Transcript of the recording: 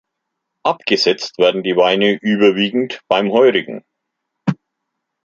Abgesetzt werden die Weine überwiegend beim Heurigen.